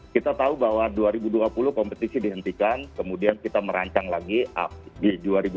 kita tahu bahwa dua ribu dua puluh kompetisi dihentikan kemudian kita merancang lagi di dua ribu dua puluh